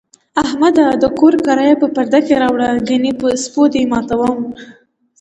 احمده! د کور کرایه په پرده کې راوړه، گني په سپو دې ماتوم.